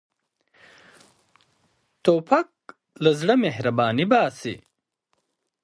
توپک له زړه مهرباني باسي.